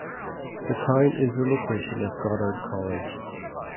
The town is the location of Goddard College.